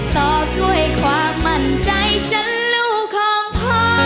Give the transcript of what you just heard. ตอบด้วยความมั่นใจฉันลูกของพ่อ